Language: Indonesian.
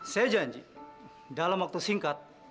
saya janji dalam waktu singkat